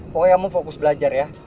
pokoknya kamu fokus belajar ya